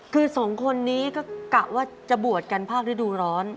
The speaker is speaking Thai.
คือสองคนนี้ก็กะว่าจะบวชกันภาคฤดูร้อน